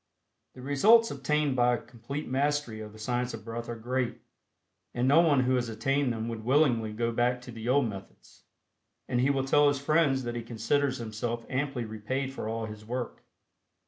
The results obtained by a complete mastery of the Science of Breath are great, and no one who has attained them would willingly go back to the old methods, and he will tell his friends that he considers himself amply repaid for all his work.